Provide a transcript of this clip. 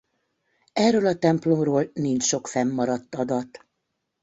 Erről a templomról nincs sok fennmaradt adat.